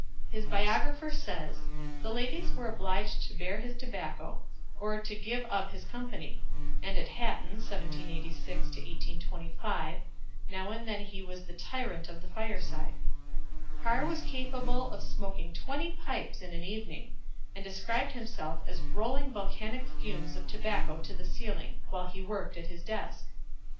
His biographer says "The ladies were obliged to bear his tobacco, or to give up his company; and at Hatton (1786 1825) now and then he was the tyrant of the fireside." Parr was capable of smoking twenty pipes in an evening, and described himself as "rolling volcanic fumes of tobacco to the ceiling" while he worked at his desk.